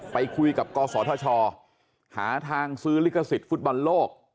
ไปคุยกับกศธชหาทางซื้อลิขสิทธิ์ฟุตบอลโลก